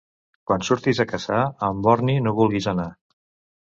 Quan surtis a caçar, amb borni no vulguis anar.